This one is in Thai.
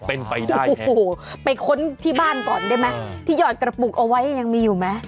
เป็นไปได้โอ้โหไปค้นที่บ้านก่อนได้ไหมที่หยอดกระปุกเอาไว้ยังมีอยู่ไหม